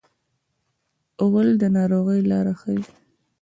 غول د ناروغۍ لاره ښيي.